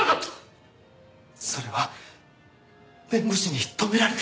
それは弁護士に止められて。